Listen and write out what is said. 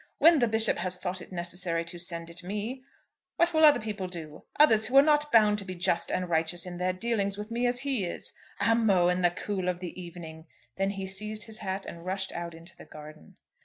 When the Bishop has thought it necessary to send it me, what will other people do, others who are not bound to be just and righteous in their dealings with me as he is? '"Amo" in the cool of the evening!'" Then he seized his hat and rushed out into the garden.